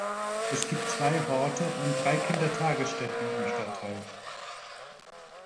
Es gibt zwei Horte und drei Kindertagesstätten im Stadtteil.